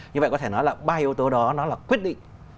như vậy có thể nói là ba yếu tố đó nó là quyết định